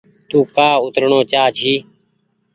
تو ڪآ اوترڻو چآ جي۔